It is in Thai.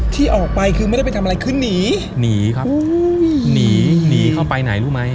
ที่ออกไปคือไม่ได้ไปทำอะไรคือหนีหนีครับหนีหนีเข้าไปไหนรู้ไหม